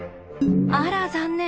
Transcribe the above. あら残念。